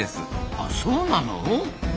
あそうなの？